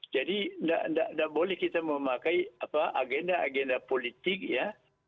jadi tidak boleh kita memakai agenda agenda politik ya